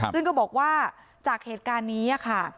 ซึ่งก็บอกว่าจากเหตุการณ์นี้ค่ะ